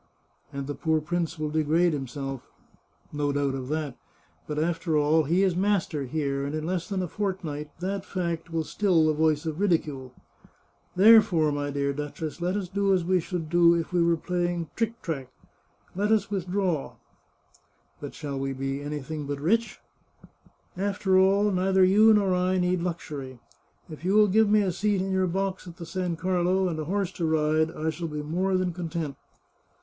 " And the poor prince will degrade himself." " No doubt of that. But, after all, he is master here, and in less than a fortnight, that fact will still the voice of 441 The Chartreuse of Parma ridicule. Therefore, dear duchess, let us do as we should do if we were playing tric trac. Let us withdraw." " But we shall be anything but rich !"" After iill, neither you nor I need luxury. If yoU will give me a seat in yoUr box at the San Carlo, ahd a horse to rid6, I shall be more than content.